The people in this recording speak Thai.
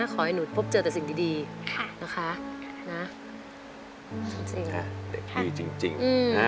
ขอให้หนูพบเจอแต่สิ่งดีดีค่ะนะคะนะจริงจริงจริงจริงนะ